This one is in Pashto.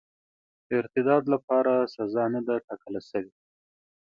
ارتداد لپاره سزا نه ده ټاکله سوې.